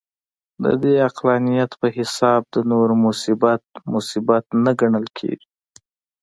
د دې عقلانیت په حساب د نورو مصیبت، مصیبت نه ګڼل کېږي.